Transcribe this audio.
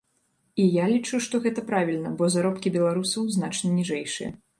І я лічу, што гэта правільна, бо заробкі беларусаў значна ніжэйшыя.